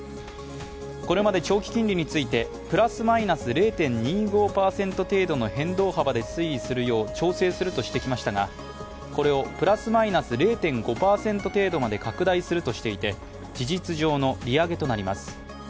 これまで、長期金利について、プラスマイナス０．２５％程度の変動幅で推移するよう調整するとしてきましたがこれをプラスマイナス０．５％程度まで拡大するとしていて事実上の利上げとなります。